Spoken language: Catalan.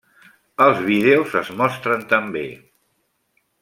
Els vídeos es mostren també.